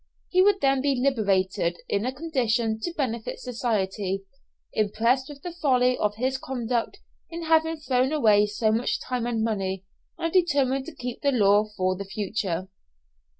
He would then be liberated in a condition to benefit society; impressed with the folly of his conduct in having thrown away so much time and money, and determined to keep the law for the future.